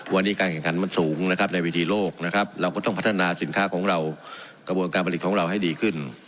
วันนี้การแข่งขันมันสูงนะครับในวิธีโลกนะครับเราก็ต้องพัฒนาสินค้าของเรากระบวนการผลิตของเราให้ดีขึ้น